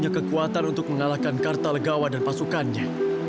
aku tidak akan melepaskan dia